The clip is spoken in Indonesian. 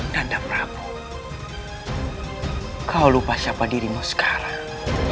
nanda prabu kau lupa siapa dirimu sekarang